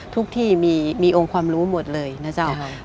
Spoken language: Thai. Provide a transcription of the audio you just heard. ที่มีองค์ความรู้หมดเลยนะเจ้า